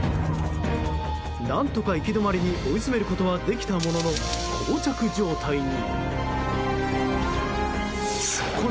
何とか行き止まりに追い詰めることはできたものの膠着状態に。